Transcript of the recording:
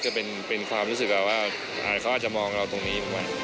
คือเป็นความรู้สึกว่าว่าเขาอาจจะมองเราตรงนี้